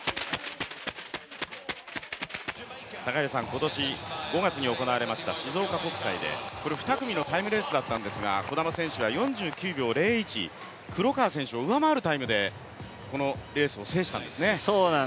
今年５月に行われました静岡国際で、２組のタイムレースだったんですが児玉選手は４９秒０１黒川選手を上回るタイムでこのレースを制したんですよね。